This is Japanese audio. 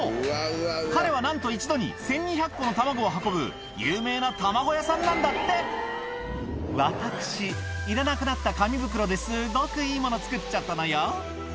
彼はなんと一度に１２００個の卵を運ぶ有名な卵屋さんなんだって「私いらなくなった紙袋ですごくいいもの作っちゃったのよ」